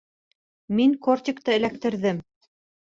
Мин кортикты эләктерҙем.